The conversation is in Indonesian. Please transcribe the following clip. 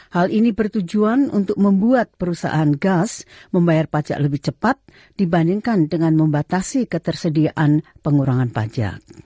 hal ini bertujuan untuk membuat perusahaan gas membayar pajak lebih cepat dibandingkan dengan membatasi ketersediaan pengurangan pajak